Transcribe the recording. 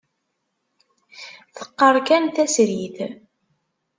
Teqqar kan tasrit.